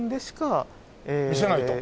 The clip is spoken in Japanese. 見せないと？